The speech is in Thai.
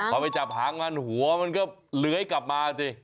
พอไปจับหางมันหัวมันก็เลื้อยกลับมาสิ